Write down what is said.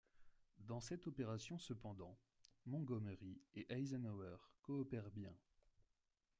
Dans cette opération, cependant, Montgomery et Eisenhower coopèrent bien.